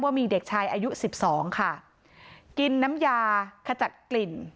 ว่ามีเด็กชายอายุสิบสองค่ะกินน้ำยาขจัดกลิ่น